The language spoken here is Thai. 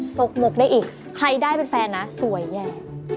ซกมกได้อีกใครได้เป็นแฟนนะสวยแย่